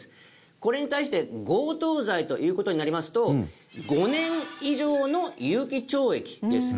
これに対して強盗罪という事になりますと５年以上の有期懲役です。